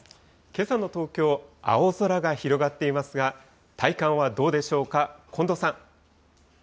けさの東京、青空が広がっていますが、体感はどうでしょうか、近藤さん。